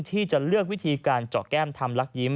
ที่จะเลือกวิธีการเจาะแก้มทำลักยิ้ม